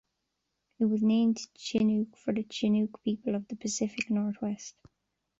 It was named "Chinook" for the Chinook people of the Pacific Northwest.